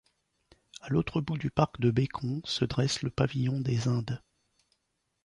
A l'autre bout du parc de Bécon, se dresse le Pavillon des Indes.